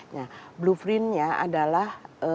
nah blueprintnya adalah